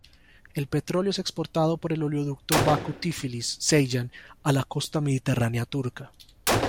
El petróleo es exportado por el oleoducto Bakú-Tiflis-Ceyhan a la costa mediterránea turca.